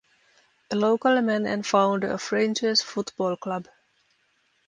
A local man and founder of Rangers Football Club.